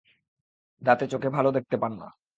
রাতে চোখে ভালো দেখতে পান না।